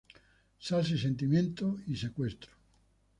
Salsa y Sentimiento" y "Secuestro".